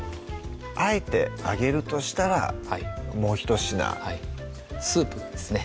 あえて挙げるとしたらもうひと品スープですね